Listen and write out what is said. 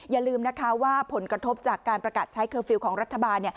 อย่าลืมนะคะว่าผลกระทบจากการประกาศใช้เคอร์ฟิลล์ของรัฐบาล